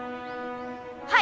はい！